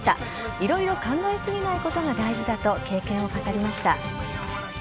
いろいろ考え過ぎないことが大事だと経験を語りました。